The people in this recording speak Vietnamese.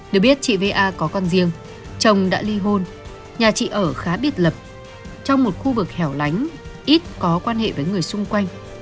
được biết chị va có con riêng chồng đã ly hôn nhà chị ở khá biệt lập trong một khu vực hẻo lánh ít có quan hệ với người xung quanh